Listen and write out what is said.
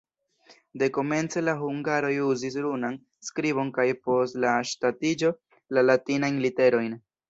Dekomence la hungaroj uzis runan skribon kaj post la ŝtatiĝo la latinajn literojn.